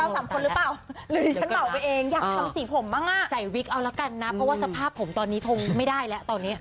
เราสามคนรึเปล่าหรือฉันบอกด้วยเองอยากทำสีผมบ้างอะใส่วิกเอาละกันนะเพราะว่าสภาพผมตอนนี้ทองไม่ได้และตอนนี้